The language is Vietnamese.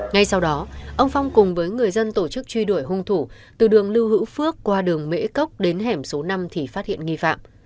ngay sau đó ông phong cùng với người dân tổ chức truy đuổi hung thủ từ đường lưu hữu phước qua đường mễ cốc đến hẻm số năm thì phát hiện nghi phạm